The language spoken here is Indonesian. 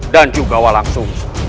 dan juga walang sungsa